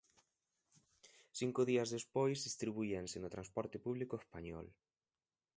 Cinco días despois, distribuíanse no transporte público español.